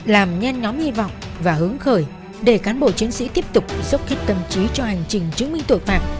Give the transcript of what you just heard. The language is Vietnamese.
làm nhanh nhóm hy vọng và hướng khởi để cán bộ chiến sĩ tiếp tục sốc khích tâm trí cho hành trình chứng minh tội phạm